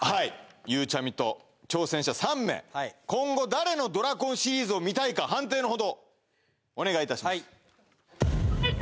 ゆうちゃみと挑戦者３名今後誰のドラコンシリーズを見たいか判定のほどをお願いいたします